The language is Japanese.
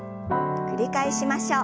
繰り返しましょう。